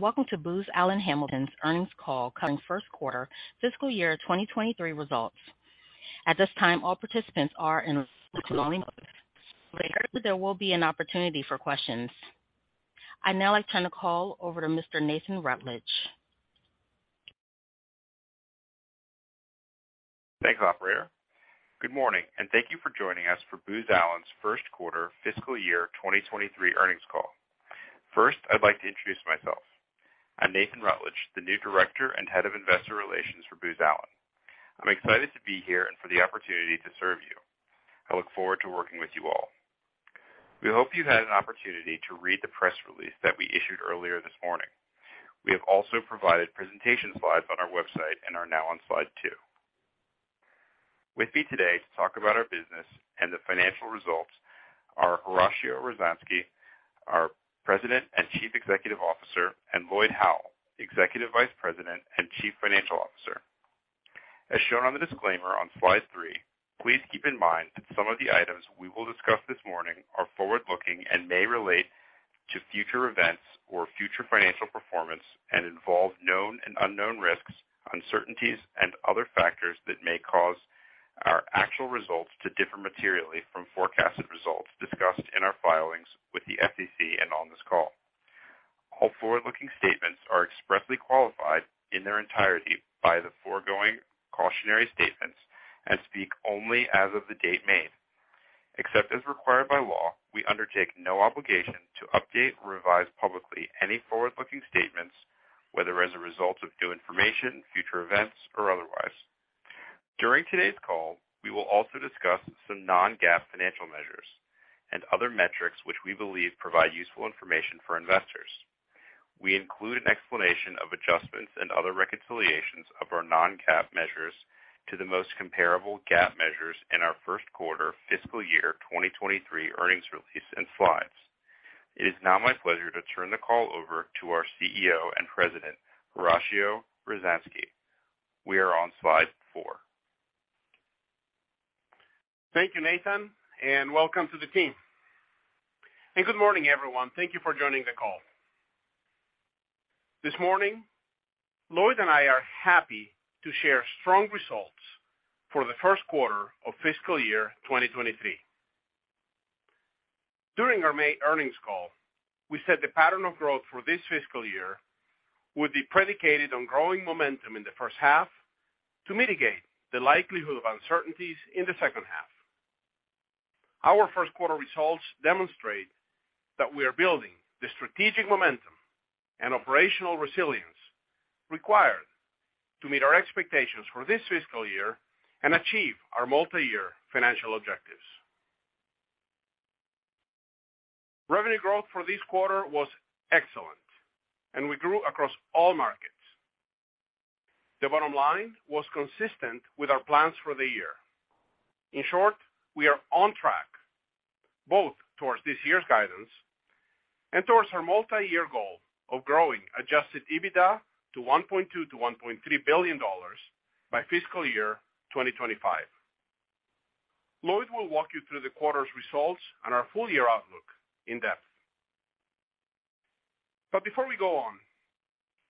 Welcome to Booz Allen Hamilton's Earnings Call covering First Quarter Fiscal Year 2023 Results. At this time, all participants are in listen only mode. Later, there will be an opportunity for questions. I'd now like to turn the call over to Mr. Nathan Rutledge. Thanks, operator. Good morning, and thank you for joining us for Booz Allen's first quarter fiscal year 2023 earnings call. First, I'd like to introduce myself. I'm Nathan Rutledge, the new director and head of investor relations for Booz Allen. I'm excited to be here and for the opportunity to serve you. I look forward to working with you all. We hope you had an opportunity to read the press release that we issued earlier this morning. We have also provided presentation slides on our website and are now on slide two. With me today to talk about our business and the financial results are Horacio Rozanski, our President and Chief Executive Officer, and Lloyd Howell, Executive Vice President and Chief Financial Officer. As shown on the disclaimer on slide three, please keep in mind that some of the items we will discuss this morning are forward-looking and may relate to future events or future financial performance and involve known and unknown risks, uncertainties, and other factors that may cause our actual results to differ materially from forecasted results discussed in our filings with the SEC and on this call. All forward-looking statements are expressly qualified in their entirety by the foregoing cautionary statements and speak only as of the date made. Except as required by law, we undertake no obligation to update or revise publicly any forward-looking statements, whether as a result of new information, future events, or otherwise. During today's call, we will also discuss some non-GAAP financial measures and other metrics which we believe provide useful information for investors. We include an explanation of adjustments and other reconciliations of our non-GAAP measures to the most comparable GAAP measures in our first quarter fiscal year 2023 earnings release and slides. It is now my pleasure to turn the call over to our CEO and President, Horacio Rozanski. We are on slide four. Thank you, Nathan, and welcome to the team. Good morning, everyone. Thank you for joining the call. This morning, Lloyd and I are happy to share strong results for the first quarter of fiscal year 2023. During our May earnings call, we said the pattern of growth for this fiscal year would be predicated on growing momentum in the first half to mitigate the likelihood of uncertainties in the second half. Our first quarter results demonstrate that we are building the strategic momentum and operational resilience required to meet our expectations for this fiscal year and achieve our multi-year financial objectives. Revenue growth for this quarter was excellent, and we grew across all markets. The bottom line was consistent with our plans for the year. In short, we are on track both towards this year's guidance and towards our multi-year goal of growing Adjusted EBITDA to $1.2 billion-$1.3 billion by fiscal year 2025. Lloyd will walk you through the quarter's results and our full-year outlook in depth. Before we go on,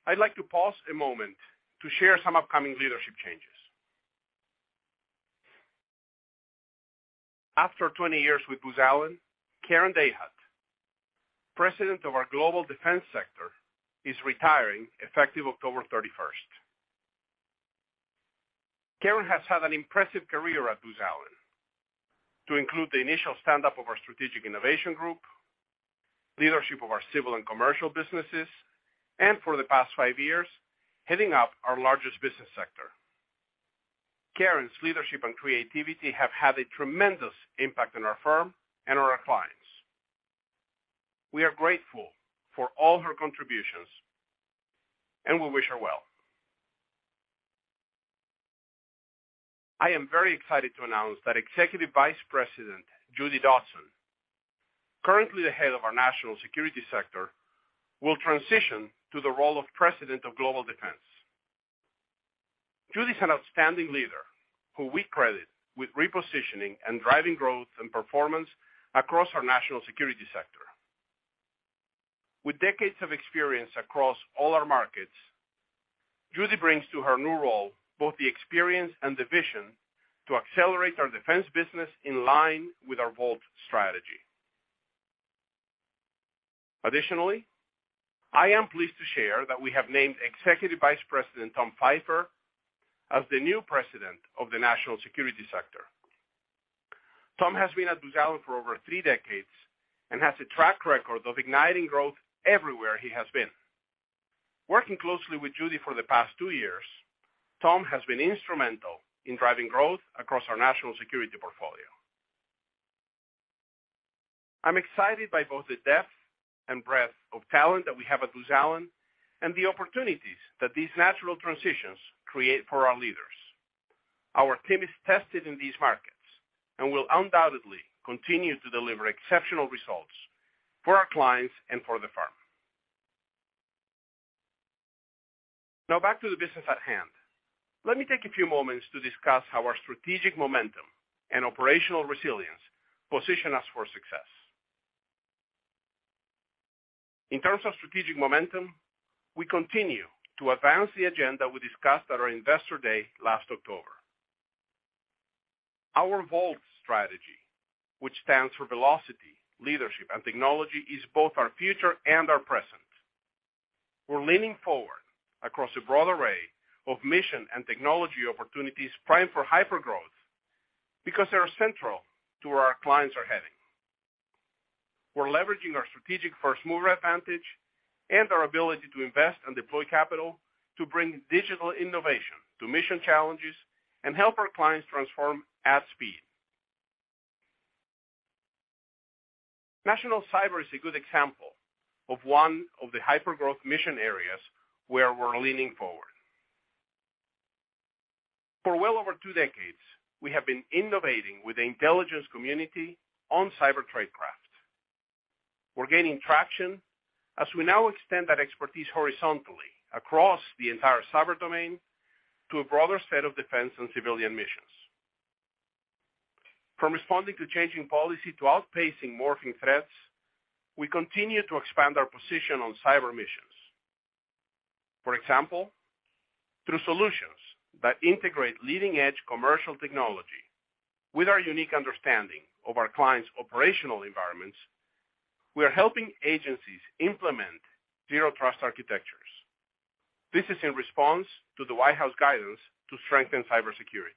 I'd like to pause a moment to share some upcoming leadership changes. After 20 years with Booz Allen, Karen Dahut, President of our Global Defense Sector, is retiring effective October 31. Karen has had an impressive career at Booz Allen to include the initial stand-up of our Strategic Innovation Group, leadership of our civil and commercial businesses, and for the past five years, heading up our largest business sector. Karen's leadership and creativity have had a tremendous impact on our firm and on our clients. We are grateful for all her contributions, and we wish her well. I am very excited to announce that Executive Vice President Judi Dotson, currently the head of our National Security Sector, will transition to the role of president of Global Defense. Judi is an outstanding leader who we credit with repositioning and driving growth and performance across our National Security Sector. With decades of experience across all our markets, Judi brings to her new role both the experience and the vision to accelerate our defense business in line with our VoLT strategy. Additionally, I am pleased to share that we have named Executive Vice President Tom Pfeifer as the new president of the National Security Sector. Tom has been at Booz Allen for over three decades and has a track record of igniting growth everywhere he has been. Working closely with Judi for the past two years, Tom has been instrumental in driving growth across our national security portfolio. I'm excited by both the depth and breadth of talent that we have at Booz Allen and the opportunities that these natural transitions create for our leaders. Our team is tested in these markets and will undoubtedly continue to deliver exceptional results for our clients and for the firm. Now back to the business at hand. Let me take a few moments to discuss how our strategic momentum and operational resilience position us for success. In terms of strategic momentum, we continue to advance the agenda we discussed at our Investor Day last October. Our VoLT strategy, which stands for velocity, leadership, and technology, is both our future and our present. We're leaning forward across a broad array of mission and technology opportunities primed for hypergrowth because they are central to where our clients are heading. We're leveraging our strategic first-mover advantage and our ability to invest and deploy capital to bring digital innovation to mission challenges and help our clients transform at speed. National Cyber is a good example of one of the hypergrowth mission areas where we're leaning forward. For well over two decades, we have been innovating with the Intelligence Community on cyber tradecraft. We're gaining traction as we now extend that expertise horizontally across the entire cyber domain to a broader set of defense and civilian missions. From responding to changing policy to outpacing morphing threats, we continue to expand our position on cyber missions. For example, through solutions that integrate leading-edge commercial technology with our unique understanding of our clients' operational environments, we are helping agencies implement zero trust architectures. This is in response to the White House guidance to strengthen cybersecurity.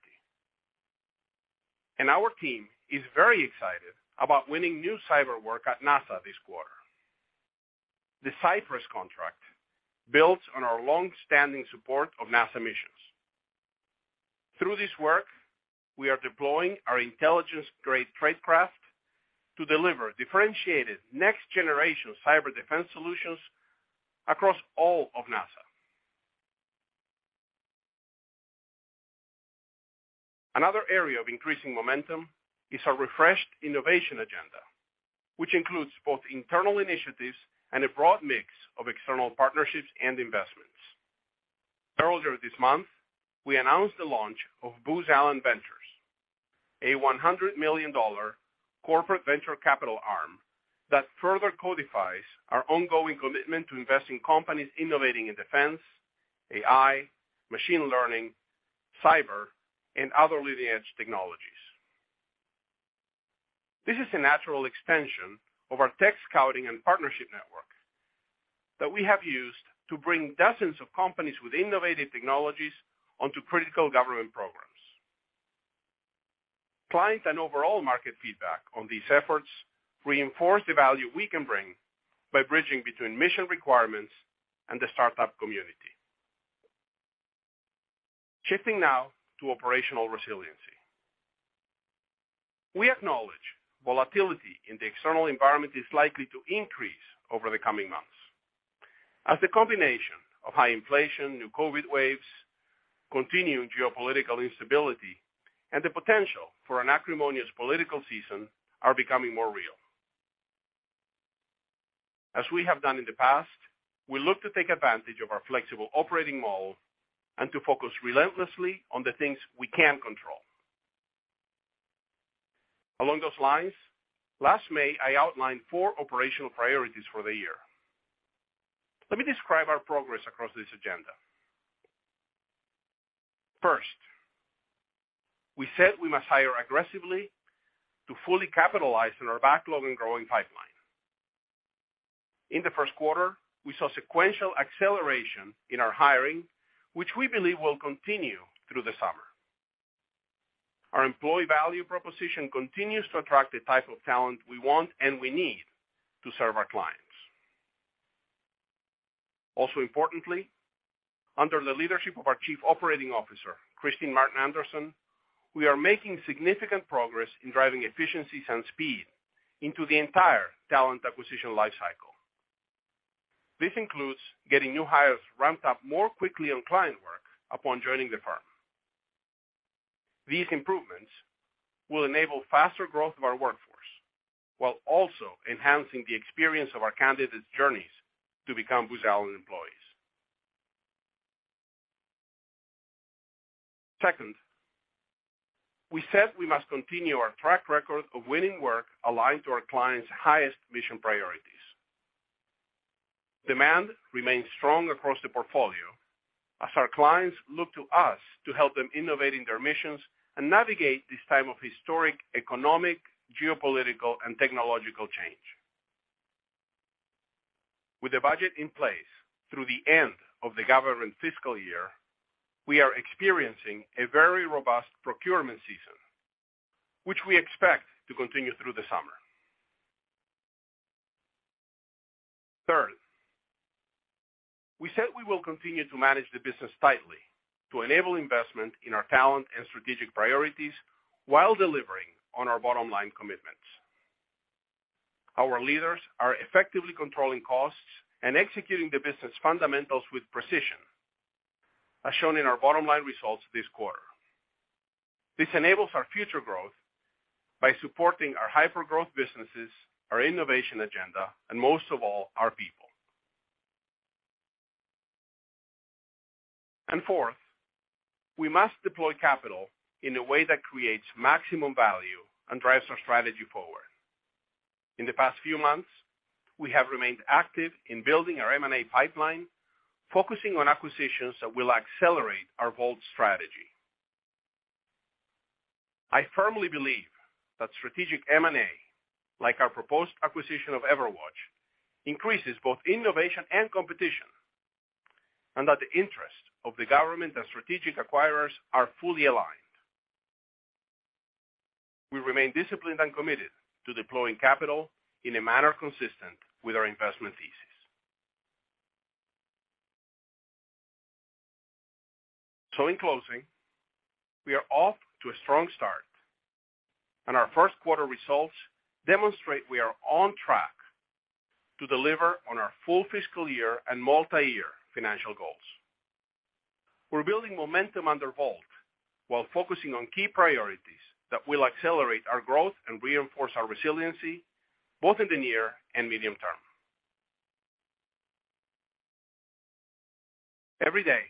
Our team is very excited about winning new cyber work at NASA this quarter. The CyPrESS contract builds on our long-standing support of NASA missions. Through this work, we are deploying our intelligence-grade tradecraft to deliver differentiated next-generation cyber defense solutions across all of NASA. Another area of increasing momentum is our refreshed innovation agenda, which includes both internal initiatives and a broad mix of external partnerships and investments. Earlier this month, we announced the launch of Booz Allen Ventures, a $100 million corporate venture capital arm that further codifies our ongoing commitment to investing in companies innovating in defense, AI, machine learning, cyber, and other leading-edge technologies. This is a natural extension of our tech scouting and partnership network that we have used to bring dozens of companies with innovative technologies onto critical government programs. Client and overall market feedback on these efforts reinforce the value we can bring by bridging between mission requirements and the startup community. Shifting now to operational resiliency. We acknowledge volatility in the external environment is likely to increase over the coming months as a combination of high inflation, new COVID waves, continuing geopolitical instability, and the potential for an acrimonious political season are becoming more real. As we have done in the past, we look to take advantage of our flexible operating model and to focus relentlessly on the things we can control. Along those lines, last May, I outlined four operational priorities for the year. Let me describe our progress across this agenda. First, we said we must hire aggressively to fully capitalize on our backlog and growing pipeline. In the first quarter, we saw sequential acceleration in our hiring, which we believe will continue through the summer. Our employee value proposition continues to attract the type of talent we want and we need to serve our clients. Also importantly, under the leadership of our Chief Operating Officer, Kristine Martin Anderson, we are making significant progress in driving efficiencies and speed into the entire talent acquisition life cycle. This includes getting new hires ramped up more quickly on client work upon joining the firm. These improvements will enable faster growth of our workforce while also enhancing the experience of our candidates' journeys to become Booz Allen employees. Second, we said we must continue our track record of winning work aligned to our clients' highest mission priorities. Demand remains strong across the portfolio as our clients look to us to help them innovate in their missions and navigate this time of historic economic, geopolitical, and technological change. With the budget in place through the end of the government fiscal year, we are experiencing a very robust procurement season, which we expect to continue through the summer. Third, we said we will continue to manage the business tightly to enable investment in our talent and strategic priorities while delivering on our bottom-line commitments. Our leaders are effectively controlling costs and executing the business fundamentals with precision, as shown in our bottom-line results this quarter. This enables our future growth by supporting our hypergrowth businesses, our innovation agenda, and most of all, our people. Fourth, we must deploy capital in a way that creates maximum value and drives our strategy forward. In the past few months, we have remained active in building our M&A pipeline, focusing on acquisitions that will accelerate our VoLT strategy. I firmly believe that strategic M&A, like our proposed acquisition of EverWatch, increases both innovation and competition, and that the interest of the government and strategic acquirers are fully aligned. We remain disciplined and committed to deploying capital in a manner consistent with our investment thesis. In closing, we are off to a strong start, and our first quarter results demonstrate we are on track to deliver on our full fiscal year and multi-year financial goals. We're building momentum under VoLT while focusing on key priorities that will accelerate our growth and reinforce our resiliency both in the near and medium term. Every day,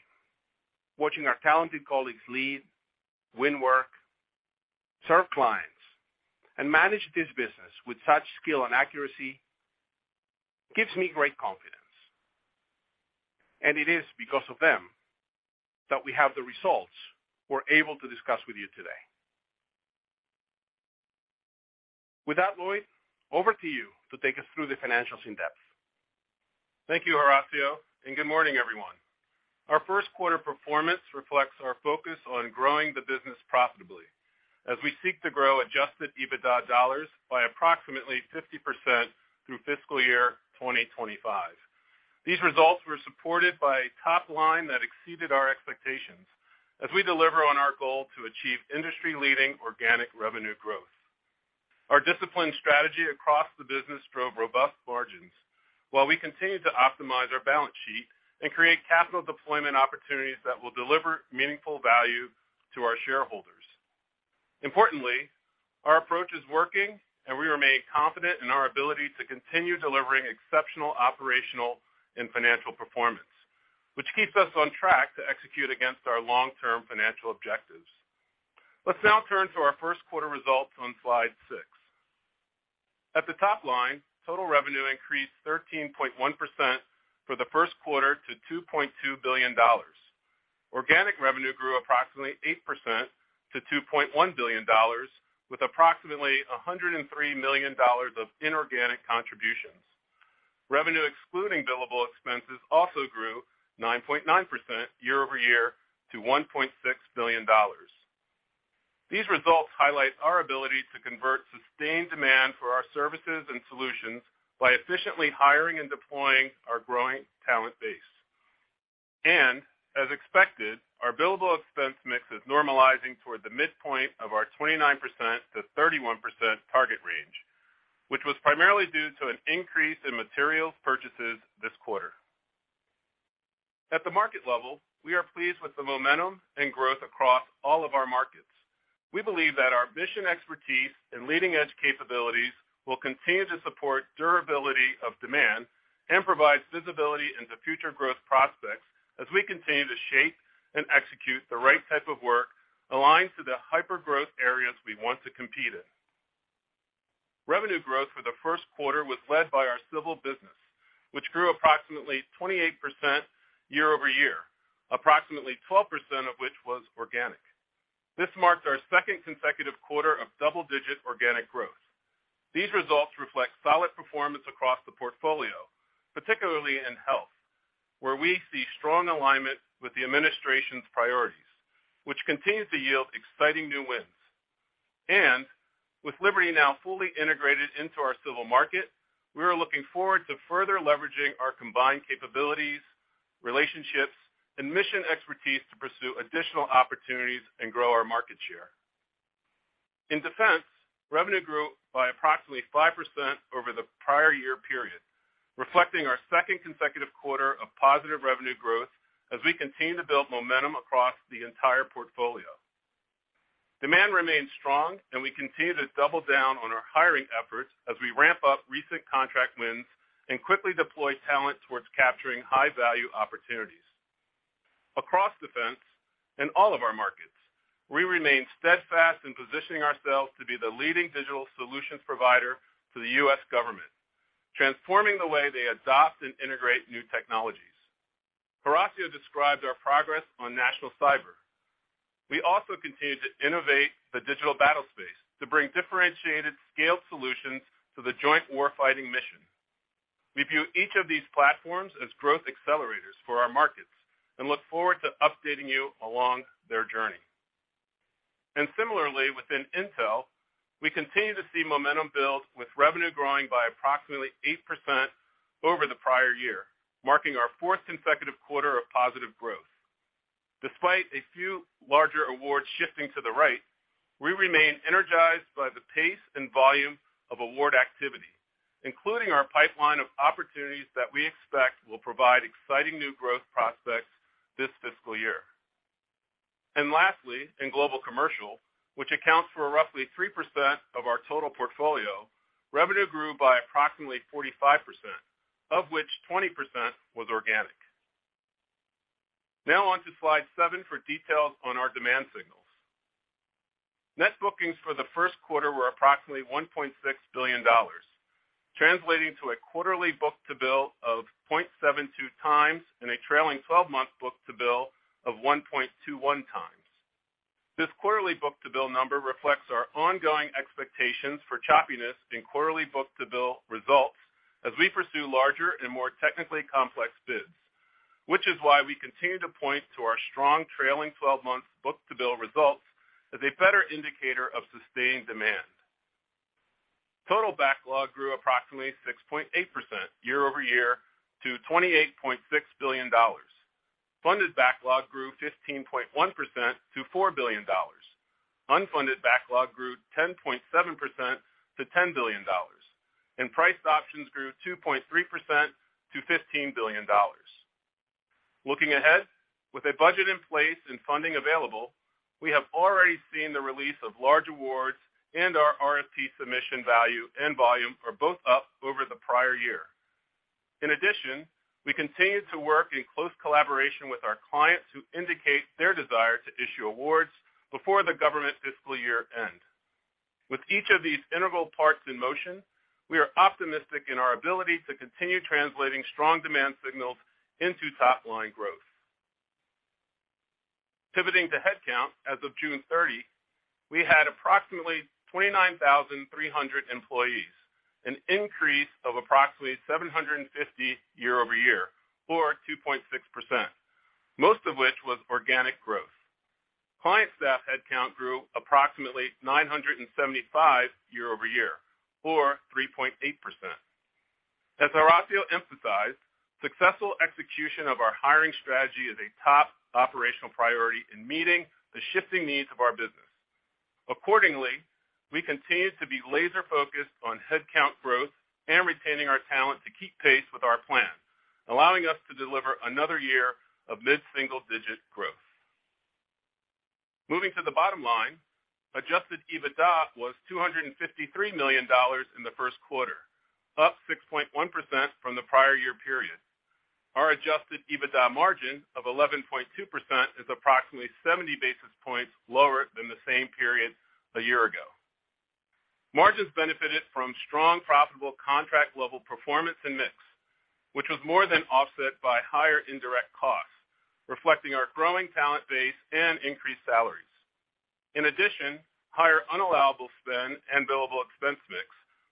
watching our talented colleagues lead, win work, serve clients, and manage this business with such skill and accuracy gives me great confidence. It is because of them that we have the results we're able to discuss with you today. With that, Lloyd, over to you to take us through the financials in depth. Thank you, Horacio, and good morning, everyone. Our first quarter performance reflects our focus on growing the business profitably as we seek to grow Adjusted EBITDA dollars by approximately 50% through fiscal year 2025. These results were supported by top line that exceeded our expectations as we deliver on our goal to achieve industry-leading organic revenue growth. Our disciplined strategy across the business drove robust margins while we continue to optimize our balance sheet and create capital deployment opportunities that will deliver meaningful value to our shareholders. Importantly, our approach is working, and we remain confident in our ability to continue delivering exceptional operational and financial performance, which keeps us on track to execute against our long-term financial objectives. Let's now turn to our first quarter results on slide six. At the top line, total revenue increased 13.1% for the first quarter to $2.2 billion. Organic revenue grew approximately 8% to $2.1 billion, with approximately $103 million of inorganic contributions. Revenue excluding billable expenses also grew 9.9% YoY to $1.6 billion. These results highlight our ability to convert sustained demand for our services and solutions by efficiently hiring and deploying our growing talent base. As expected, our billable expense mix is normalizing toward the midpoint of our 29%-31% target range, which was primarily due to an increase in materials purchases this quarter. At the market level, we are pleased with the momentum and growth across all of our markets. We believe that our mission expertise and leading-edge capabilities will continue to support durability of demand and provide visibility into future growth prospects as we continue to shape and execute the right type of work aligned to the hypergrowth areas we want to compete in. Revenue growth for the first quarter was led by our civil business, which grew approximately 28% YoY, approximately 12% of which was organic. This marks our second consecutive quarter of double-digit organic growth. These results reflect solid performance across the portfolio, particularly in health, where we see strong alignment with the administration's priorities, which continues to yield exciting new wins. With Liberty now fully integrated into our civil market, we are looking forward to further leveraging our combined capabilities, relationships, and mission expertise to pursue additional opportunities and grow our market share. In defense, revenue grew by approximately 5% over the prior year period, reflecting our second consecutive quarter of positive revenue growth as we continue to build momentum across the entire portfolio. Demand remains strong, and we continue to double down on our hiring efforts as we ramp up recent contract wins and quickly deploy talent towards capturing high-value opportunities. Across defense in all of our markets, we remain steadfast in positioning ourselves to be the leading digital solutions provider to the U.S. government, transforming the way they adopt and integrate new technologies. Horacio described our progress on national cyber. We also continue to innovate the Digital battlespace to bring differentiated scaled solutions to the joint warfighting mission. We view each of these platforms as growth accelerators for our markets and look forward to updating you along their journey. Similarly, within intel, we continue to see momentum build with revenue growing by approximately 8% over the prior year, marking our fourth consecutive quarter of positive growth. Despite a few larger awards shifting to the right, we remain energized by the pace and volume of award activity, including our pipeline of opportunities that we expect will provide exciting new growth prospects this fiscal year. Lastly, in global commercial, which accounts for roughly 3% of our total portfolio, revenue grew by approximately 45%, of which 20% was organic. Now on to slide seven for details on our demand signals. Net bookings for the first quarter were approximately $1.6 billion, translating to a quarterly book-to-bill of 0.72x and a trailing twelve-month book-to-bill of 1.21x. This quarterly book-to-bill number reflects our ongoing expectations for choppiness in quarterly book-to-bill results as we pursue larger and more technically complex bids, which is why we continue to point to our strong trailing 12 month book-to-bill results as a better indicator of sustained demand. Total backlog grew approximately 6.8% YoY to $28.6 billion. Funded Backlog grew 15.1% to $4 billion. Unfunded Backlog grew 10.7% to $10 billion, and Priced Options grew 2.3% to $15 billion. Looking ahead, with a budget in place and funding available, we have already seen the release of large awards and our RFP submission value and volume are both up over the prior year. In addition, we continue to work in close collaboration with our clients who indicate their desire to issue awards before the government fiscal year end. With each of these integral parts in motion, we are optimistic in our ability to continue translating strong demand signals into top-line growth. Pivoting to headcount as of June 30, we had approximately 29,300 employees, an increase of approximately 750 YoY or 2.6%, most of which was organic growth. Client staff headcount grew approximately 975 YoY or 3.8%. As Horacio emphasized, successful execution of our hiring strategy is a top operational priority in meeting the shifting needs of our business. Accordingly, we continue to be laser-focused on headcount growth and retaining our talent to keep pace with our plan, allowing us to deliver another year of mid-single-digit growth. Moving to the bottom line, Adjusted EBITDA was $253 million in the first quarter, up 6.1% from the prior year period. Our Adjusted EBITDA margin of 11.2% is approximately 70 basis points lower than the same period a year ago. Margins benefited from strong profitable contract level performance and mix, which was more than offset by higher indirect costs, reflecting our growing talent base and increased salaries. In addition, higher unallowable spend and billable expense mix,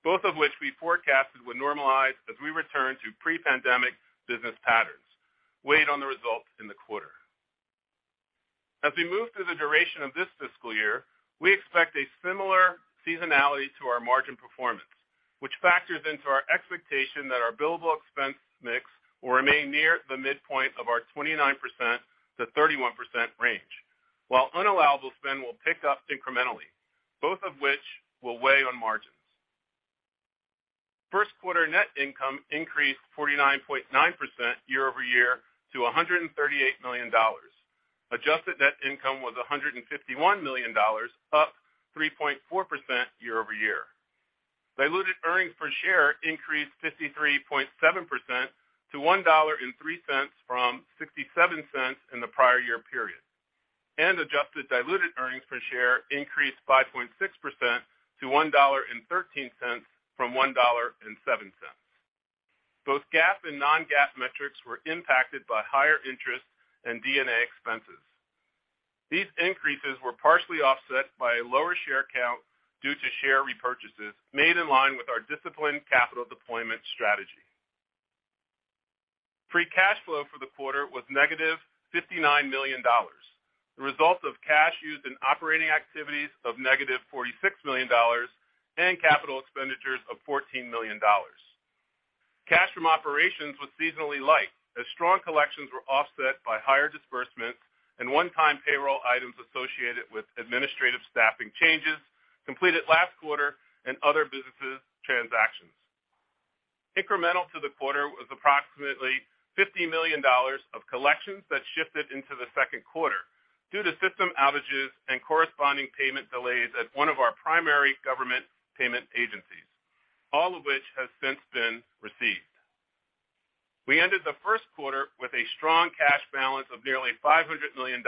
both of which we forecasted would normalize as we return to pre-pandemic business patterns, weighed on the results in the quarter. As we move through the duration of this fiscal year, we expect a similar seasonality to our margin performance, which factors into our expectation that our billable expense mix will remain near the midpoint of our 29%-31% range, while unallowable spend will pick up incrementally, both of which will weigh on margins. First quarter net income increased 49.9% YoY to $138 million. Adjusted net income was $151 million, up 3.4% YoY. Diluted earnings per share increased 53.7% to $1.03 from $0.67 in the prior year period, and adjusted diluted earnings per share increased 5.6% to $1.13 from $1.07. Both GAAP and non-GAAP metrics were impacted by higher interest and D&A expenses. These increases were partially offset by a lower share count due to share repurchases made in line with our disciplined capital deployment strategy. Free cash flow for the quarter was -$59 million, the result of cash used in operating activities of -$46 million and CapExs of $14 million. Cash from operations was seasonally light as strong collections were offset by higher disbursements and one-time payroll items associated with administrative staffing changes completed last quarter and other business transactions. Incremental to the quarter was approximately $50 million of collections that shifted into the second quarter due to system outages and corresponding payment delays at one of our primary government payment agencies, all of which has since been received. We ended the first quarter with a strong cash balance of nearly $500 million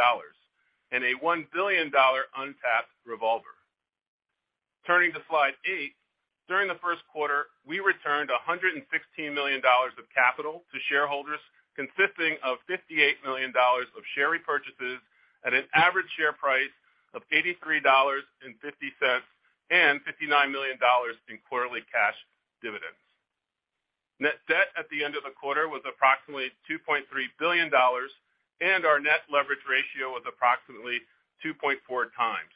and a $1 billion untapped revolver. Turning to slide eight, during the first quarter, we returned $116 million of capital to shareholders, consisting of $58 million of share repurchases at an average share price of $83.50, and $59 million in quarterly cash dividends. Net debt at the end of the quarter was approximately $2.3 billion, and our net leverage ratio was approximately 2.4 times,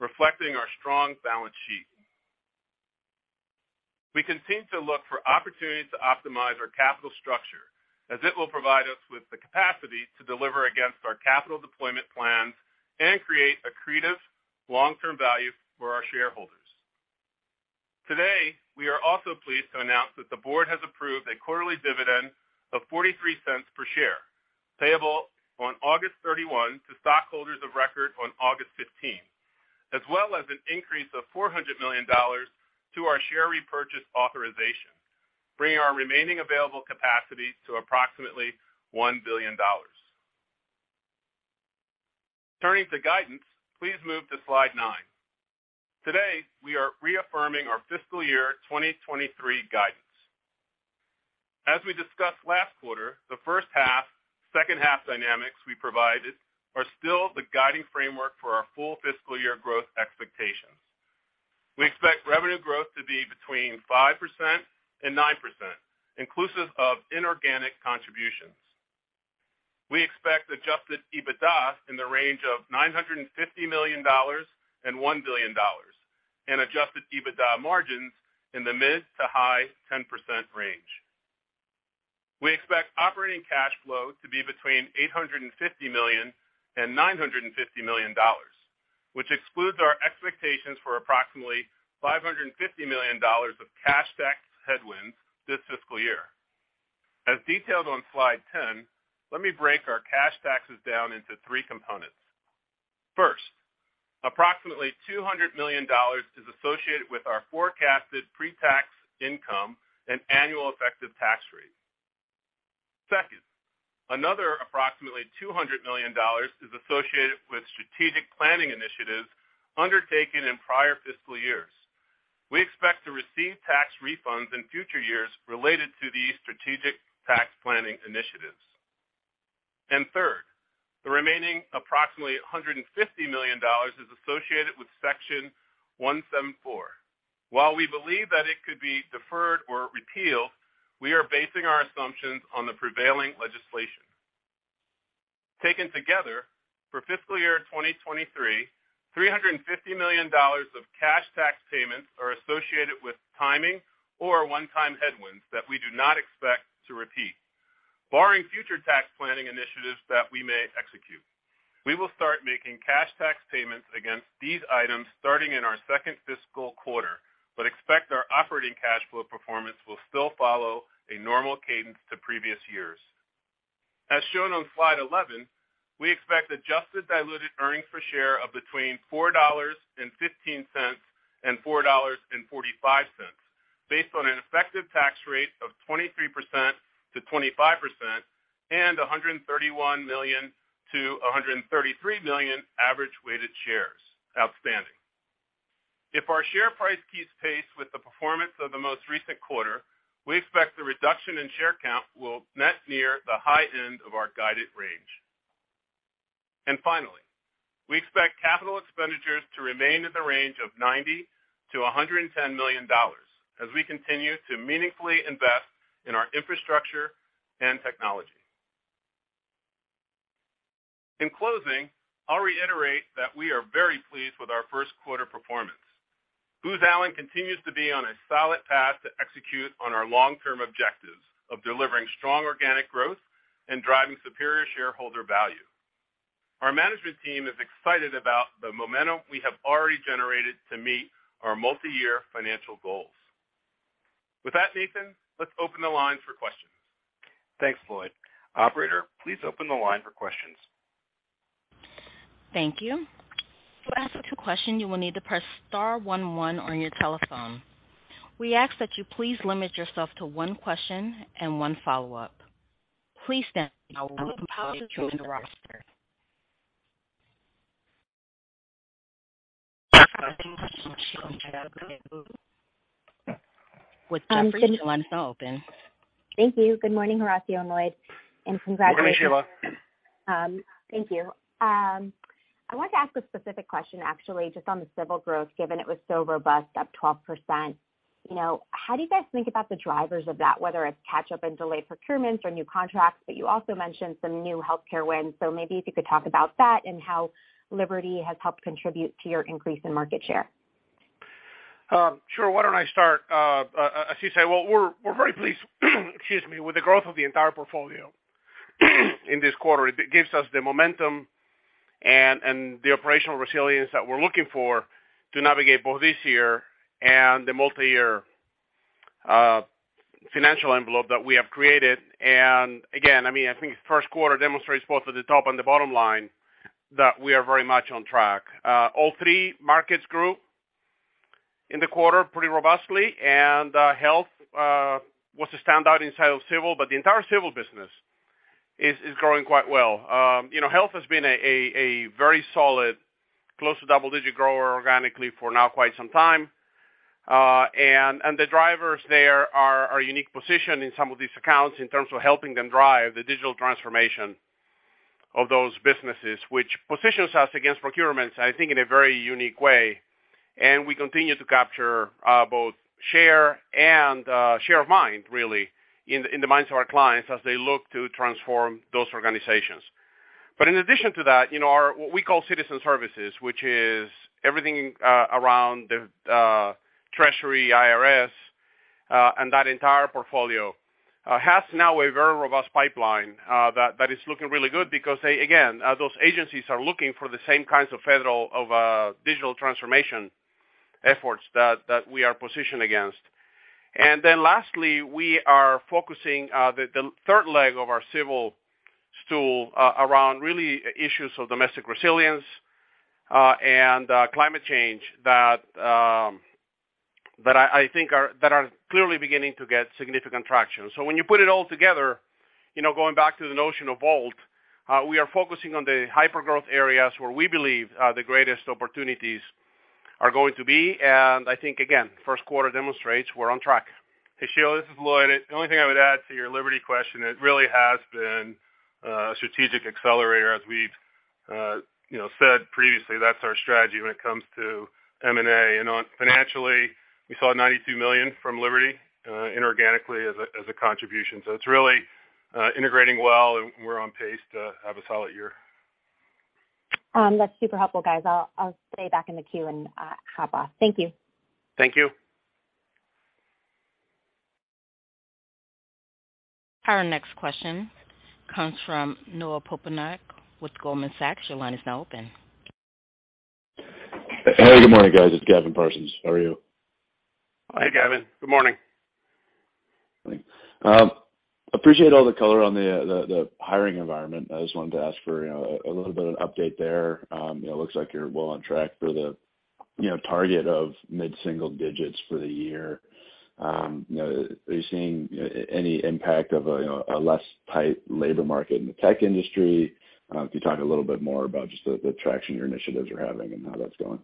reflecting our strong balance sheet. We continue to look for opportunities to optimize our capital structure as it will provide us with the capacity to deliver against our capital deployment plans and create accretive long-term value for our shareholders. Today, we are also pleased to announce that the board has approved a quarterly dividend of $0.43 per share, payable on August 31 to stockholders of record on August 15, as well as an increase of $400 million to our share repurchase authorization, bringing our remaining available capacity to approximately $1 billion. Turning to guidance, please move to slide nine. Today, we are reaffirming our fiscal year 2023 guidance. As we discussed last quarter, the first half, second half dynamics we provided are still the guiding framework for our full fiscal year growth expectations. We expect revenue growth to be between 5% - 9%, inclusive of inorganic contributions. We expect Adjusted EBITDA in the range of $950 million and $1 billion, and Adjusted EBITDA margins in the mid- to high-10% range. We expect operating cash flow to be between $850 million - $950 million, which excludes our expectations for approximately $550 million of cash tax headwinds this fiscal year. As detailed on slide 10, let me break our cash taxes down into three components. First, approximately $200 million is associated with our forecasted pre-tax income and annual effective tax rate. Second, another approximately $200 million is associated with strategic planning initiatives undertaken in prior fiscal years. We expect to receive tax refunds in future years related to these strategic tax planning initiatives. Third, the remaining approximately $150 million is associated with Section 174. While we believe that it could be deferred or repealed, we are basing our assumptions on the prevailing legislation. Taken together, for fiscal year 2023, $350 million of cash tax payments are associated with timing or one-time headwinds that we do not expect to repeat, barring future tax planning initiatives that we may execute. We will start making cash tax payments against these items starting in our second fiscal quarter, but expect our operating cash flow performance will still follow a normal cadence to previous years. As shown on slide 11, we expect adjusted diluted earnings per share of between $4.15 - $4.45 based on an effective tax rate of 23%-25% and $131 million-$133 million average weighted shares outstanding. If our share price keeps pace with the performance of the most recent quarter, we expect the reduction in share count will net near the high end of our guided range. Finally, we expect CapExs to remain in the range of $90 million-$110 million as we continue to meaningfully invest in our infrastructure and technology. In closing, I'll reiterate that we are very pleased with our first quarter performance. Booz Allen continues to be on a solid path to execute on our long-term objectives of delivering strong organic growth and driving superior shareholder value. Our management team is excited about the momentum we have already generated to meet our multiyear financial goals. With that, Nathan, let's open the line for questions. Thanks, Lloyd. Operator, please open the line for questions. Thank you. To ask a question, you will need to press star one one on your telephone. We ask that you please limit yourself to one question and one follow-up. Please stand by, while I compile a list of participants. With that, your line is now open. Thank you. Good morning, Horacio and Lloyd, and congratulations. Good morning, Sheila. Thank you. I wanted to ask a specific question, actually, just on the civil growth, given it was so robust, up 12%. You know, how do you guys think about the drivers of that, whether it's catch-up and delayed procurements or new contracts? You also mentioned some new healthcare wins. Maybe if you could talk about that and how Liberty has helped contribute to your increase in market share. Sure. Why don't I start? As you say, well, we're very pleased, excuse me, with the growth of the entire portfolio in this quarter. It gives us the momentum and the operational resilience that we're looking for to navigate both this year and the multiyear financial envelope that we have created. Again, I mean, I think first quarter demonstrates both at the top and the bottom line that we are very much on track. All three markets grew in the quarter pretty robustly, and health was the standout inside of civil, but the entire civil business is growing quite well. You know, health has been a very solid close to double-digit grower organically for now quite some time. The drivers there are our unique position in some of these accounts in terms of helping them drive the digital transformation of those businesses, which positions us against procurements, I think, in a very unique way. We continue to capture both share and share of mind, really, in the minds of our clients as they look to transform those organizations. In addition to that, you know, our what we call Citizen Services, which is everything around the Treasury IRS. That entire portfolio has now a very robust pipeline that is looking really good because again, those agencies are looking for the same kinds of federal digital transformation efforts that we are positioned against. Then lastly, we are focusing the third leg of our civil stool around really issues of domestic resilience and climate change that I think are clearly beginning to get significant traction. When you put it all together, you know, going back to the notion of VoLT, we are focusing on the hypergrowth areas where we believe the greatest opportunities are going to be. I think, again, first quarter demonstrates we're on track. Hey, Sheila, this is Lloyd. The only thing I would add to your Liberty question, it really has been a strategic accelerator. As we've, you know, said previously, that's our strategy when it comes to M&A. You know, financially, we saw $92 million from Liberty inorganically as a contribution. So it's really integrating well, and we're on pace to have a solid year. That's super helpful, guys. I'll stay back in the queue and hop off. Thank you. Thank you. Our next question comes from Noah Poponak with Goldman Sachs. Your line is now open. Hey, good morning, guys. It's Gautam Khanna. How are you? Hi, Gautam. Good morning. Appreciate all the color on the hiring environment. I just wanted to ask for, you know, a little bit of an update there. You know, looks like you're well on track for the, you know, target of mid-single digits for the year. You know, are you seeing any impact of a, you know, a less tight labor market in the tech industry? Could you talk a little bit more about just the traction your initiatives are having and how that's going?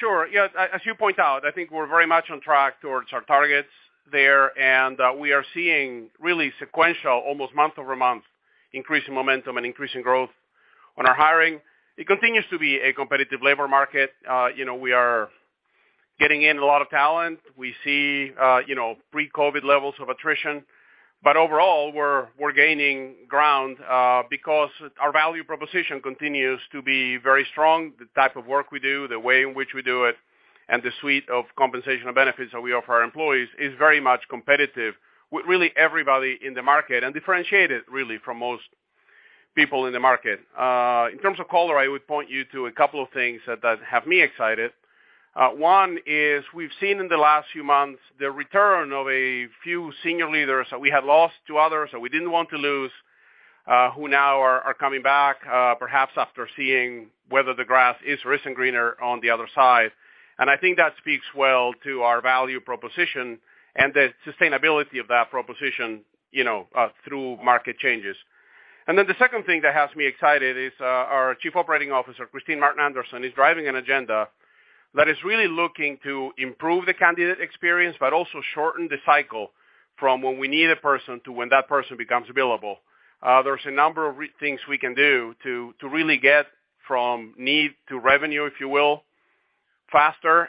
Sure. Yeah, as you point out, I think we're very much on track towards our targets there, and we are seeing really sequential, almost month-over-month, increase in momentum and increase in growth on our hiring. It continues to be a competitive labor market. You know, we are getting in a lot of talent. We see, you know, pre-COVID levels of attrition. But overall, we're gaining ground, because our value proposition continues to be very strong. The type of work we do, the way in which we do it, and the suite of compensation and benefits that we offer our employees is very much competitive with really everybody in the market, and differentiated really from most people in the market. In terms of color, I would point you to a couple of things that have me excited. One is, we've seen in the last few months the return of a few senior leaders that we had lost to others, that we didn't want to lose, who now are coming back, perhaps after seeing whether the grass is greener on the other side. I think that speaks well to our value proposition and the sustainability of that proposition, you know, through market changes. The second thing that has me excited is, our Chief Operating Officer, Kristine Martin Anderson, is driving an agenda that is really looking to improve the candidate experience, but also shorten the cycle from when we need a person to when that person becomes available. There's a number of things we can do to really get from need to revenue, if you will, faster,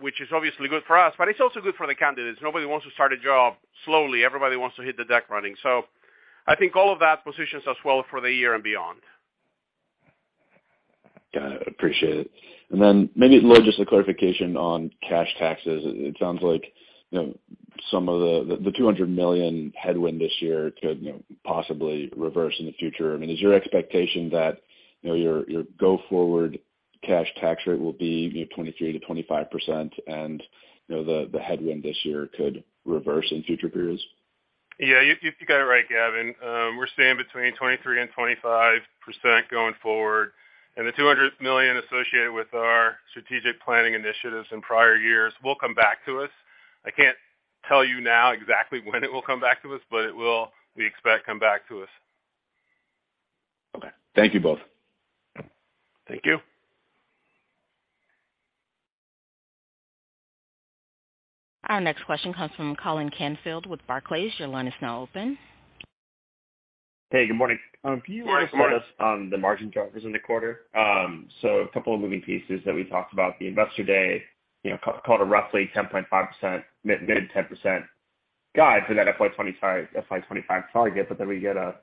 which is obviously good for us, but it's also good for the candidates. Nobody wants to start a job slowly. Everybody wants to hit the deck running. I think all of that positions us well for the year and beyond. Got it. Appreciate it. Maybe, Lloyd, just a clarification on cash taxes. It sounds like, you know, some of the $200 million headwind this year could, you know, possibly reverse in the future. I mean, is your expectation that, you know, your go-forward cash tax rate will be, you know, 23%-25% and, you know, the headwind this year could reverse in future periods? Yeah, you got it right, Gautam Khanna. We're staying between 23% - 25% going forward, and the $200 million associated with our strategic planning initiatives in prior years will come back to us. I can't tell you now exactly when it will come back to us, but it will, we expect, come back to us. Okay. Thank you both. Thank you. Our next question comes from Colin Canfield with Barclays. Your line is now open. Hey, good morning. Good morning. Could you kind of start us on the margin drivers in the quarter? A couple of moving pieces that we talked about, the Investor Day, you know, called a roughly 10.5%, mid-10% guide for that FY 2025 target, but then we get 11.2%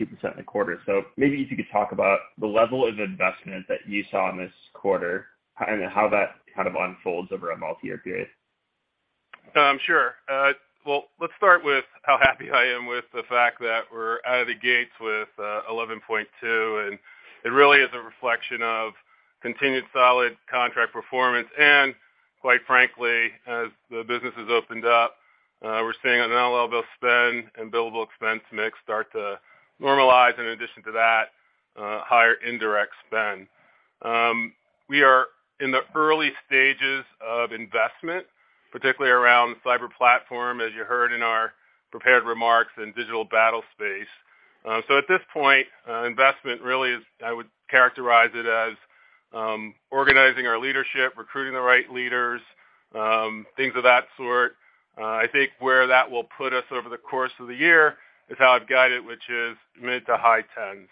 in the quarter. Maybe if you could talk about the level of investment that you saw in this quarter and how that kind of unfolds over a multi-year period. Sure. Well, let's start with how happy I am with the fact that we're out of the gates with 11.2, and it really is a reflection of continued solid contract performance. Quite frankly, as the business has opened up, we're seeing an unbillable spend and billable expense mix start to normalize. In addition to that, higher indirect spend. We are in the early stages of investment, particularly around the National Cyber platform, as you heard in our prepared remarks in digital battlespace. At this point, investment really is, I would characterize it as, organizing our leadership, recruiting the right leaders, things of that sort. I think where that will put us over the course of the year is how I've guided, which is mid to high tens.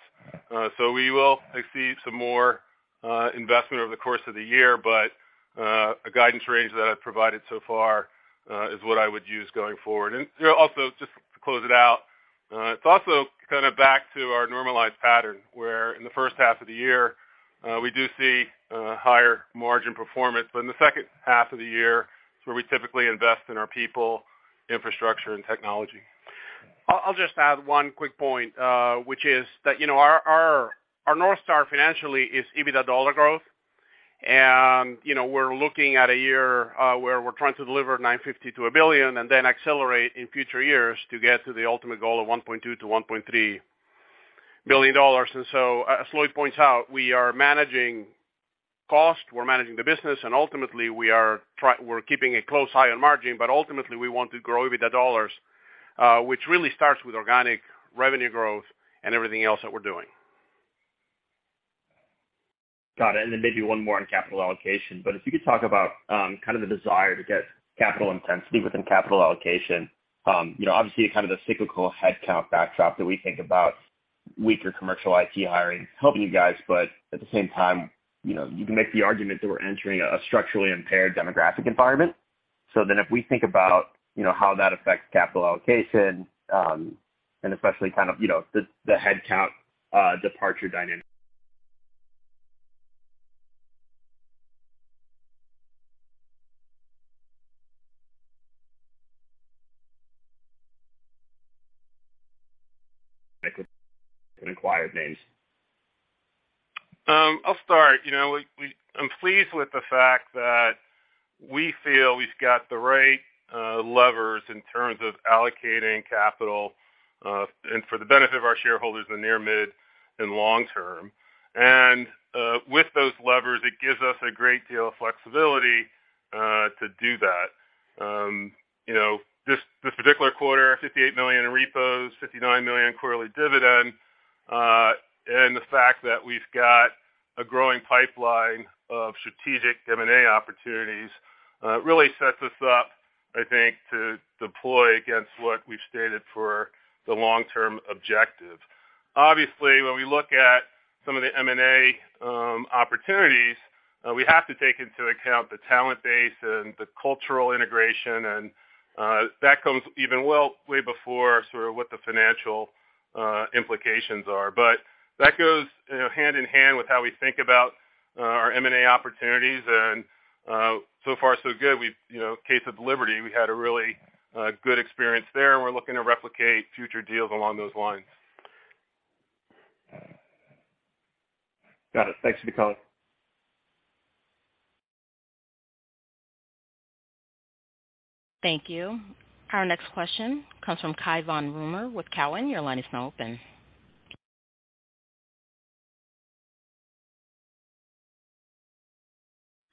We will see some more investment over the course of the year, but a guidance range that I've provided so far is what I would use going forward. Also, just to close it out. It's also kind of back to our normalized pattern, where in the first half of the year, we do see higher margin performance, but in the second half of the year is where we typically invest in our people, infrastructure, and technology. I'll just add one quick point, which is that, you know, our North Star financially is Adjusted EBITDA dollar growth. You know, we're looking at a year where we're trying to deliver $950 million-$1 billion and then accelerate in future years to get to the ultimate goal of $1.2 billion-$1.3 billion. As Lloyd points out, we are managing cost, we're managing the business, and ultimately, we're keeping a close eye on margin, but ultimately, we want to grow Adjusted EBITDA dollars, which really starts with organic revenue growth and everything else that we're doing. Got it, and then maybe one more on capital allocation. If you could talk about kind of the desire to get capital intensity within capital allocation. You know, obviously kind of the cyclical headcount backdrop that we think about weaker commercial IT hiring helping you guys, but at the same time, you know, you can make the argument that we're entering a structurally impaired demographic environment. If we think about how that affects capital allocation, and especially kind of the headcount departure dynamic and acquired names. I'll start. You know, I'm pleased with the fact that we feel we've got the right levers in terms of allocating capital and for the benefit of our shareholders in the near, mid, and long term. With those levers, it gives us a great deal of flexibility to do that. You know, this particular quarter, $58 million in repos, $59 million quarterly dividend, and the fact that we've got a growing pipeline of strategic M&A opportunities really sets us up, I think, to deploy against what we've stated for the long-term objective. Obviously, when we look at some of the M&A opportunities, we have to take into account the talent base and the cultural integration, and that comes even well way before sort of what the financial implications are. That goes, you know, hand in hand with how we think about our M&A opportunities. So far so good. We've, you know, in the case of Liberty, we had a really good experience there, and we're looking to replicate future deals along those lines. Got it. Thanks for the color. Thank you. Our next question comes from Cai von Rumohr with Cowen. Your line is now open.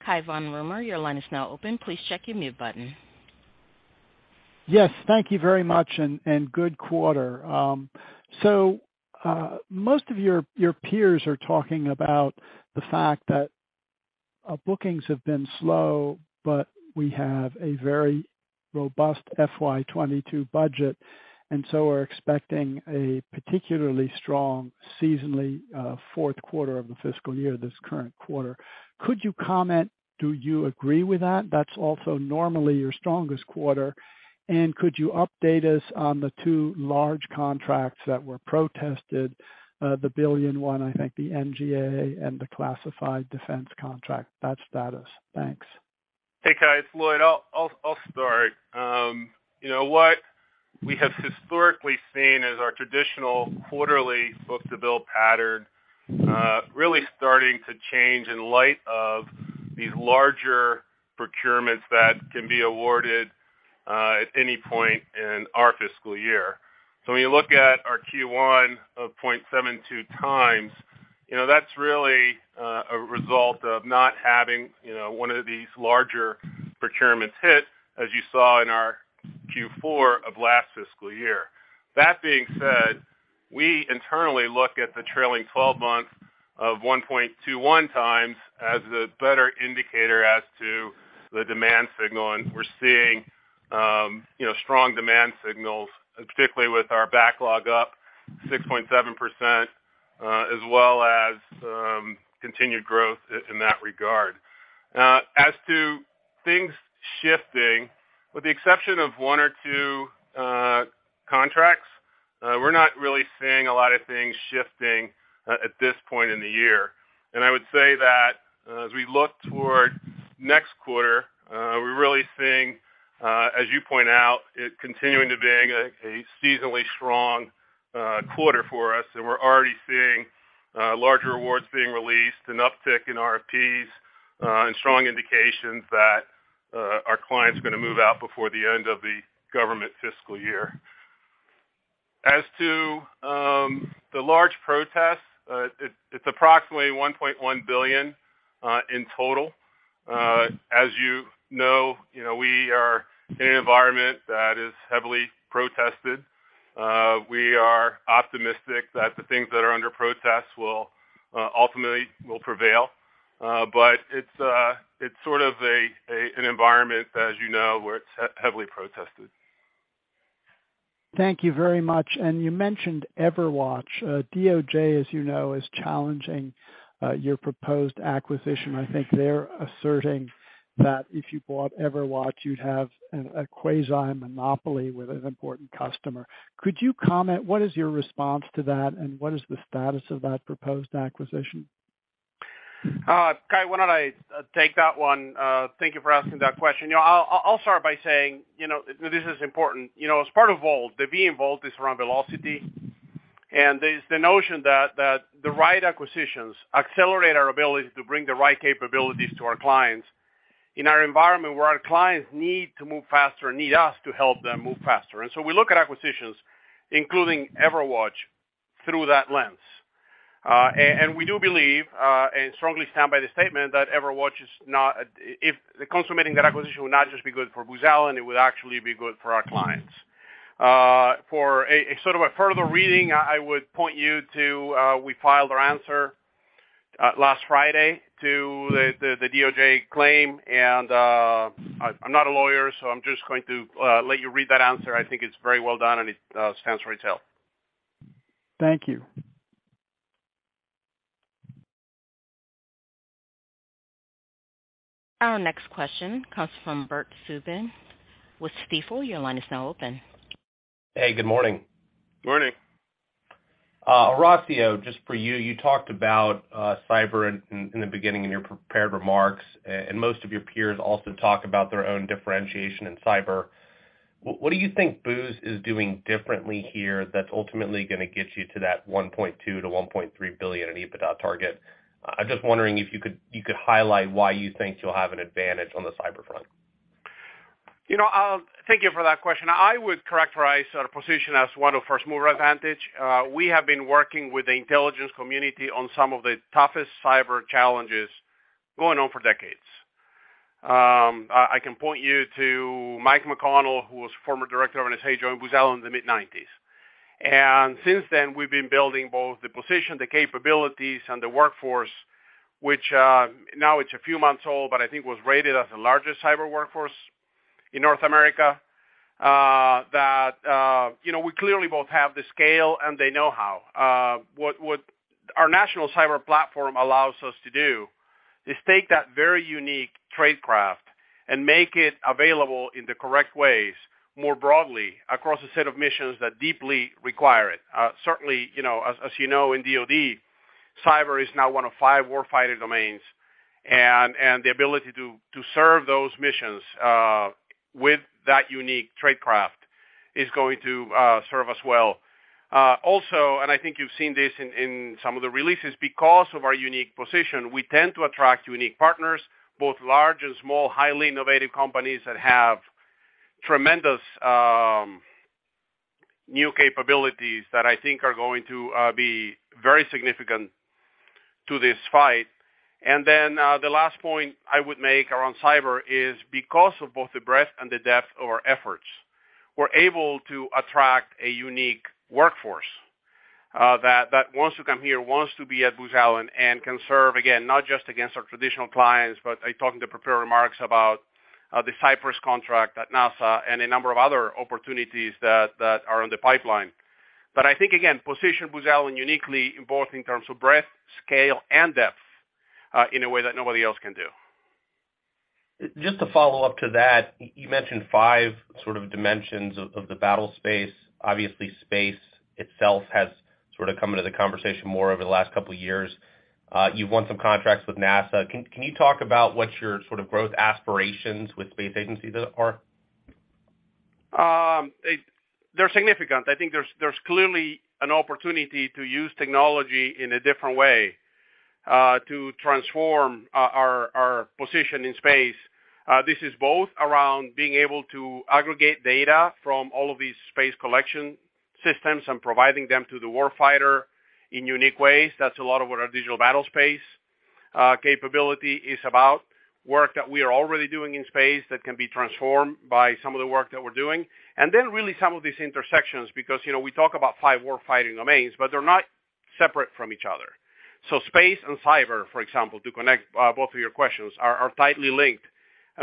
Cai von Rumohr, your line is now open. Please check your mute button. Yes, thank you very much and good quarter. Most of your peers are talking about the fact that bookings have been slow, but we have a very robust FY 2022 budget, and so we're expecting a particularly strong seasonally fourth quarter of the fiscal year, this current quarter. Could you comment, do you agree with that? That's also normally your strongest quarter. Could you update us on the two large contracts that were protested, the $1 billion one, I think the NGA and the classified defense contract, that status? Thanks. Hey, Cai, it's Lloyd. I'll start. You know what? We have historically seen as our traditional quarterly book-to-bill pattern really starting to change in light of these larger procurements that can be awarded at any point in our fiscal year. When you look at our Q1 of 0.72 times, you know, that's really a result of not having, you know, one of these larger procurements hit, as you saw in our Q4 of last fiscal year. That being said, we internally look at the trailing twelve months of 1.21 times as the better indicator as to the demand signal. We're seeing, you know, strong demand signals, particularly with our backlog up 6.7%, as well as continued growth in that regard. As to things shifting, with the exception of one or two contracts, we're not really seeing a lot of things shifting at this point in the year. I would say that, as we look toward next quarter, we're really seeing, as you point out, it continuing to being a seasonally strong quarter for us. We're already seeing larger awards being released, an uptick in RFPs, and strong indications that our clients are gonna move out before the end of the government fiscal year. As to the large protests, it's approximately $1.1 billion in total. As you know, we are in an environment that is heavily protested. We are optimistic that the things that are under protest will ultimately prevail. It's sort of an environment, as you know, where it's heavily protested. Thank you very much. You mentioned EverWatch. DOJ, as you know, is challenging your proposed acquisition. I think they're asserting that if you bought EverWatch, you'd have a quasi-monopoly with an important customer. Could you comment? What is your response to that, and what is the status of that proposed acquisition? Cai, why don't I take that one? Thank you for asking that question. You know, I'll start by saying, you know, this is important. You know, as part of VoLT, the V in VoLT is around velocity, and it's the notion that the right acquisitions accelerate our ability to bring the right capabilities to our clients in our environment where our clients need to move faster and need us to help them move faster. We look at acquisitions, including EverWatch, through that lens. We do believe and strongly stand by the statement that consummating that acquisition would not just be good for Booz Allen. It would actually be good for our clients. For a sort of further reading, I would point you to, we filed our answer last Friday to the DOJ claim. I'm not a lawyer, so I'm just going to let you read that answer. I think it's very well done, and it stands for itself. Thank you. Our next question comes from Bert Subin with Stifel. Your line is now open. Hey, good morning. Morning. Horacio, just for you. You talked about cyber in the beginning in your prepared remarks, and most of your peers also talk about their own differentiation in cyber. What do you think Booz is doing differently here that's ultimately gonna get you to that $1.2 billion-$1.3 billion EBITDA target? I'm just wondering if you could highlight why you think you'll have an advantage on the cyber front. You know, thank you for that question. I would characterize our position as one of first-mover advantage. We have been working with the Intelligence Community on some of the toughest cyber challenges going on for decades. I can point you to Mike McConnell, who was former director and has joined Booz Allen in the mid-1990s. Since then, we've been building both the position, the capabilities and the workforce, which, now it's a few months old, but I think was rated as the largest cyber workforce in North America. You know, we clearly both have the scale and the know-how. What our National Cyber platform allows us to do is take that very unique tradecraft and make it available in the correct ways more broadly across a set of missions that deeply require it. Certainly, you know, as you know, in DoD, cyber is now one of five warfighter domains. The ability to serve those missions with that unique tradecraft is going to serve us well. Also, I think you've seen this in some of the releases. Because of our unique position, we tend to attract unique partners, both large and small, highly innovative companies that have tremendous new capabilities that I think are going to be very significant to this fight. The last point I would make around cyber is because of both the breadth and the depth of our efforts, we're able to attract a unique workforce, that wants to come here, wants to be at Booz Allen, and can serve, again, not just against our traditional clients, but I talked in the prepared remarks about, the CyPrESS contract at NASA and a number of other opportunities that are in the pipeline. I think, again, position Booz Allen uniquely, both in terms of breadth, scale, and depth, in a way that nobody else can do. Just to follow up to that, you mentioned five sort of dimensions of the battlespace. Obviously, space itself has sort of come into the conversation more over the last couple of years. You've won some contracts with NASA. Can you talk about what your sort of growth aspirations with space agencies are? They're significant. I think there's clearly an opportunity to use technology in a different way to transform our position in space. This is both around being able to aggregate data from all of these space collection systems and providing them to the warfighter in unique ways. That's a lot of what our digital battlespace capability is about. Work that we are already doing in space that can be transformed by some of the work that we're doing. Really some of these intersections, because, you know, we talk about five warfighting domains, but they're not separate from each other. Space and cyber, for example, to connect both of your questions, are tightly linked.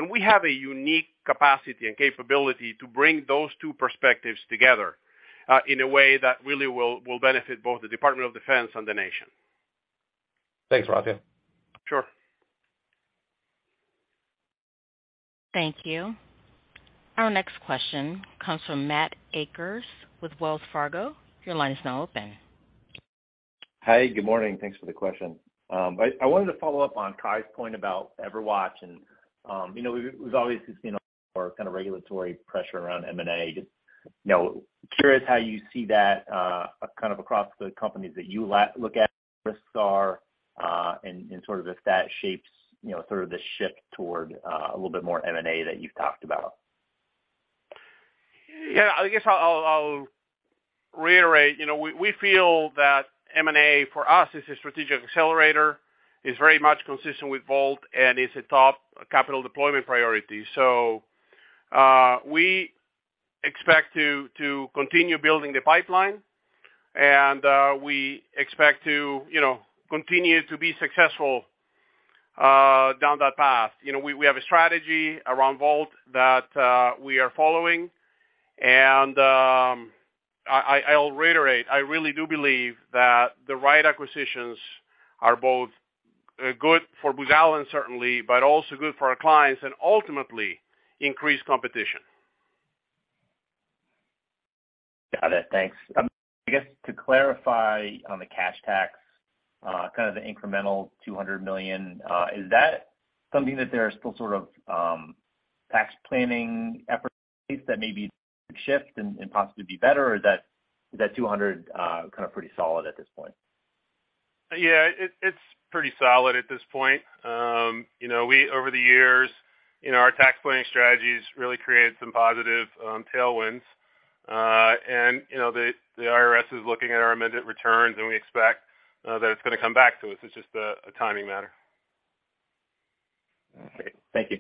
We have a unique capacity and capability to bring those two perspectives together, in a way that really will benefit both the Department of Defense and the nation. Thanks, Horacio. Sure. Thank you. Our next question comes from Matthew Akers with Wells Fargo. Your line is now open. Hey, good morning. Thanks for the question. I wanted to follow up on Cai's point about EverWatch and, you know, we've obviously seen a lot more kind of regulatory pressure around M&A. Just, you know, curious how you see that, kind of across the companies that you look at, what the risks are, and sort of if that shapes, you know, sort of the shift toward, a little bit more M&A that you've talked about. Yeah, I guess I'll reiterate. You know, we feel that M&A for us is a strategic accelerator. It's very much consistent with VoLT, and it's a top capital deployment priority. So, we expect to continue building the pipeline and, we expect to, you know, continue to be successful down that path. You know, we have a strategy around VoLT that we are following. I'll reiterate, I really do believe that the right acquisitions are both good for Booz Allen, certainly, but also good for our clients and ultimately increase competition. Got it. Thanks. I guess to clarify on the cash tax, kind of the incremental $200 million, is that something that there are still sort of tax planning efforts that maybe shift and possibly be better, or is that $200 million kind of pretty solid at this point? Yeah. It's pretty solid at this point. You know, we over the years, you know, our tax planning strategies really created some positive tailwinds. You know, the IRS is looking at our amended returns, and we expect that it's gonna come back to us. It's just a timing matter. Okay. Thank you.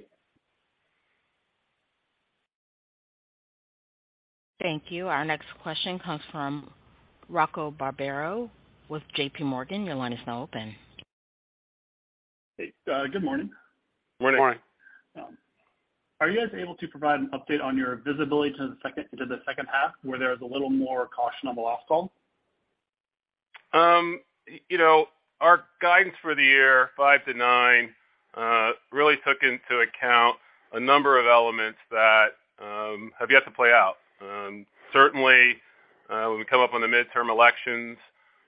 Thank you. Our next question comes from Rocco Barbero with JP Morgan. Your line is now open. Hey. Good morning. Morning. Are you guys able to provide an update on your visibility into the second half where there was a little more caution on the last call? You know, our guidance for the year, 5%-9%, really took into account a number of elements that have yet to play out. Certainly, when we come up on the midterm elections,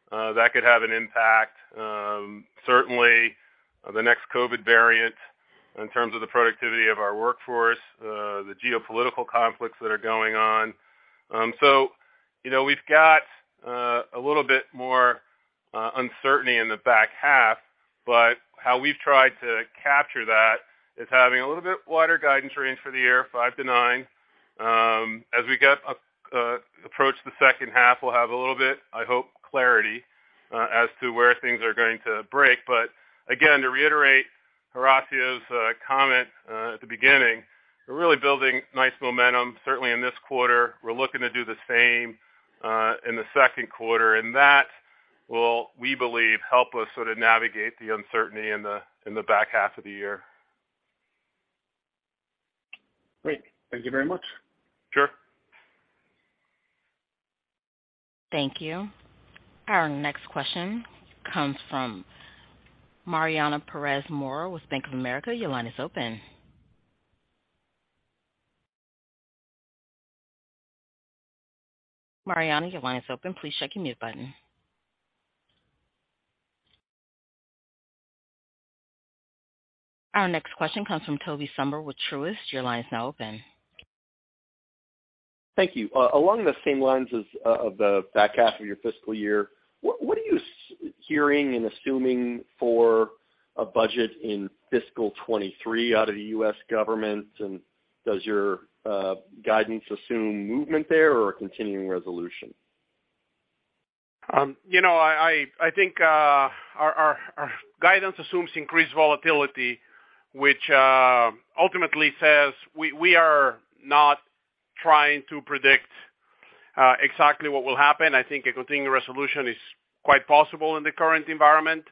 that could have an impact. Certainly the next COVID variant in terms of the productivity of our workforce, the geopolitical conflicts that are going on. You know, we've got a little bit more uncertainty in the back half, but how we've tried to capture that is having a little bit wider guidance range for the year, 5%-9%. As we approach the second half, we'll have a little bit, I hope, clarity as to where things are going to break. Again, to reiterate Horacio's comment at the beginning, we're really building nice momentum, certainly in this quarter. We're looking to do the same in the second quarter. That will, we believe, help us sort of navigate the uncertainty in the back half of the year. Great. Thank you very much. Sure. Thank you. Our next question comes from Mariana Perez Mora with Bank of America. Your line is open. Mariana, your line is open. Please check your mute button. Our next question comes from Tobey Sommer with Truist. Your line is now open. Thank you. Along the same lines as of the back half of your fiscal year, what are you hearing and assuming for a budget in fiscal 2023 out of the U.S. government? And does your guidance assume movement there or a continuing resolution? You know, I think our guidance assumes increased volatility, which ultimately says we are not trying to predict exactly what will happen. I think a continuing resolution is quite possible in the current environment.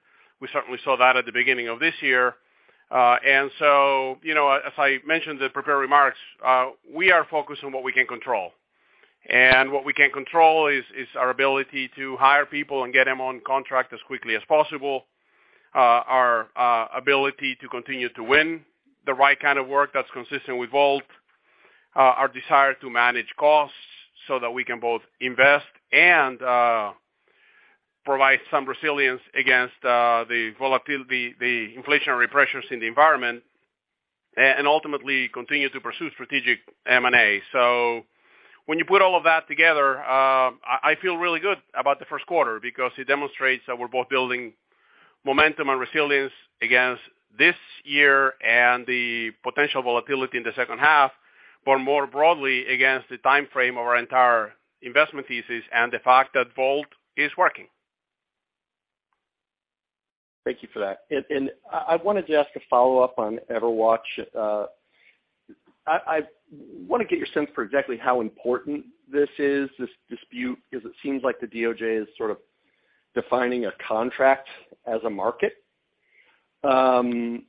We certainly saw that at the beginning of this year. You know, as I mentioned in the prepared remarks, we are focused on what we can control. What we can control is our ability to hire people and get them on contract as quickly as possible. Our ability to continue to win the right kind of work that's consistent with VoLT. Our desire to manage costs so that we can both invest and provide some resilience against the volatility, the inflationary pressures in the environment and ultimately continue to pursue strategic M&A. When you put all of that together, I feel really good about the first quarter because it demonstrates that we're both building momentum and resilience against this year and the potential volatility in the second half, but more broadly against the timeframe of our entire investment thesis and the fact that VoLT is working. Thank you for that. I wanted to ask a follow-up on EverWatch. I wanna get your sense for exactly how important this is, this dispute, because it seems like the DOJ is sort of defining a contract as a market. What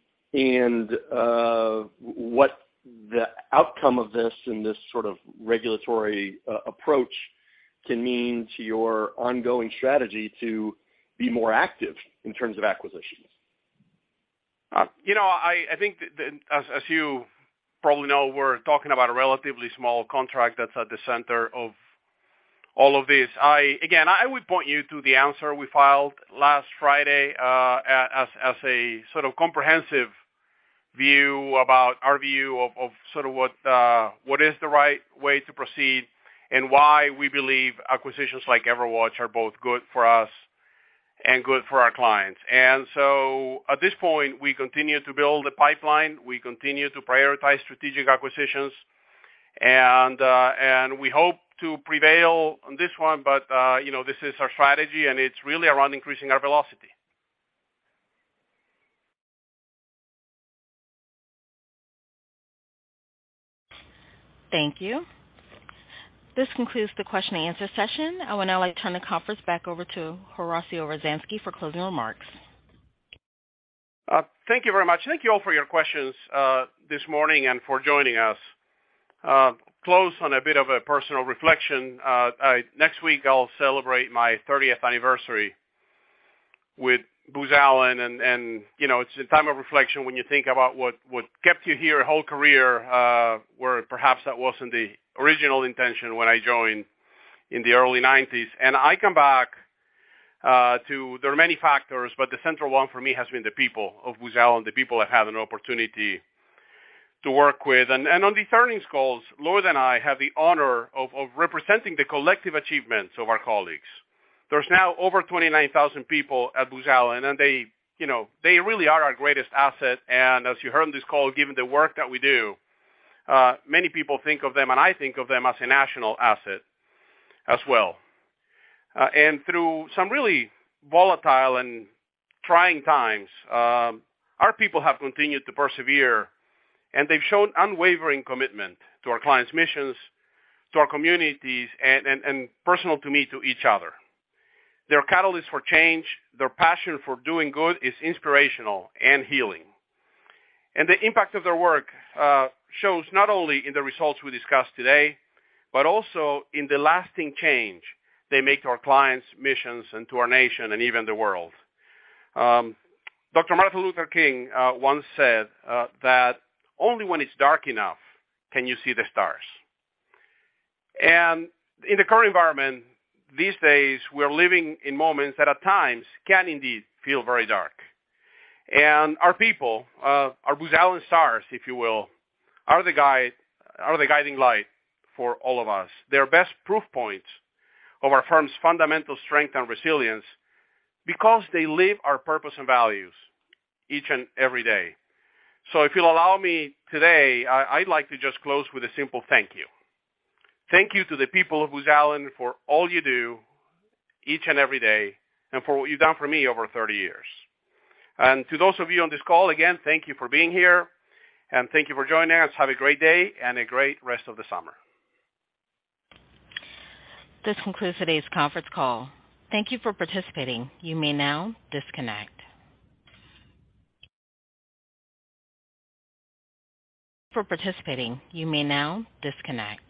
the outcome of this in this sort of regulatory approach can mean to your ongoing strategy to be more active in terms of acquisitions. You know, I think that as you probably know, we're talking about a relatively small contract that's at the center of all of this. I would point you to the answer we filed last Friday, as a sort of comprehensive view about our view of sort of what is the right way to proceed and why we believe acquisitions like EverWatch are both good for us and good for our clients. At this point, we continue to build the pipeline. We continue to prioritize strategic acquisitions. We hope to prevail on this one. You know, this is our strategy, and it's really around increasing our velocity. Thank you. This concludes the question and answer session. I would now like to turn the conference back over to Horacio Rozanski for closing remarks. Thank you very much. Thank you all for your questions this morning and for joining us. Close on a bit of a personal reflection. Next week I'll celebrate my 30th anniversary with Booz Allen and, you know, it's a time of reflection when you think about what kept you here your whole career, where perhaps that wasn't the original intention when I joined in the early 1990s. I come back to there are many factors, but the central one for me has been the people of Booz Allen, the people I have an opportunity to work with. On these earnings calls, Lloyd and I have the honor of representing the collective achievements of our colleagues. There's now over 29,000 people at Booz Allen, and they, you know, they really are our greatest asset. As you heard on this call, given the work that we do, many people think of them, and I think of them as a national asset as well. Through some really volatile and trying times, our people have continued to persevere, and they've shown unwavering commitment to our clients' missions, to our communities and personal to me, to each other. They're catalysts for change. Their passion for doing good is inspirational and healing. The impact of their work shows not only in the results we discussed today, but also in the lasting change they make to our clients' missions and to our nation and even the world. Martin Luther King Jr. once said that, "Only when it's dark enough can you see the stars." In the current environment these days, we're living in moments that at times can indeed feel very dark. Our people, our Booz Allen stars, if you will, are the guiding light for all of us. They're best proof points of our firm's fundamental strength and resilience because they live our purpose and values each and every day. If you'll allow me today, I'd like to just close with a simple thank you. Thank you to the people of Booz Allen for all you do each and every day and for what you've done for me over 30 years. To those of you on this call, again, thank you for being here, and thank you for joining us. Have a great day and a great rest of the summer. This concludes today's conference call. Thank you for participating. You may now disconnect. Thank you for participating. You may now disconnect.